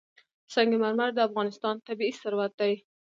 سنگ مرمر د افغانستان طبعي ثروت دی.